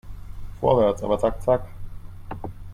Vorwärts, aber zack zack